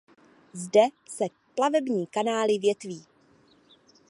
Zde se plavební kanály větví.